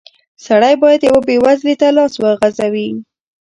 سړی بايد يوه بېوزله ته لاس وغزوي.